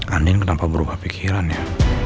andin kenapa berubah pikiran ya